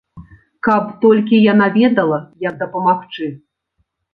Каб толькі яна ведала, як дапамагчы.